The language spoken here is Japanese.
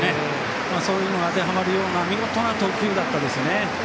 そういう言葉が当てはまるような見事な投球でしたね。